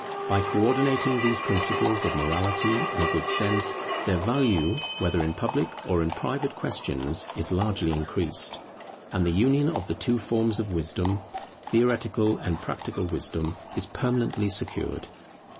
By co ordinating these principles of morality and good sense, their value, whether in public or in private questions, is largely increased; and the union of the two forms of wisdom, theoretical and practical wisdom, is permanently secured.